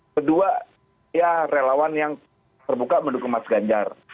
kedua ya relawan yang terbuka mendukung mas ganjar